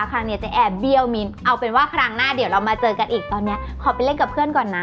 ครั้งนี้เจ๊แอร์เบี้ยวมิ้นเอาเป็นว่าครั้งหน้าเดี๋ยวเรามาเจอกันอีกตอนนี้ขอไปเล่นกับเพื่อนก่อนนะ